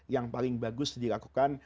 yang paling bagus dilakukan